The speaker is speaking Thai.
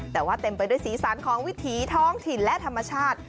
แต่ว่าเต็มไปด้วยสีสันของวิถีท้องถิ่นและธรรมชาติ